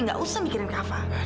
nggak usah mikirin kak fah